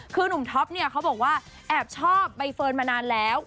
คือหนุ่มท็อปเนี่ยเขาบอกว่าแอบชอบใบเฟิร์นมานานแล้ว